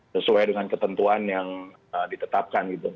sesuai dengan ketentuan yang ditetapkan gitu